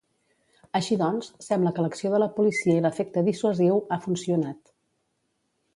Així doncs, sembla que l'acció de la policia i l'efecte dissuasiu ha funcionat.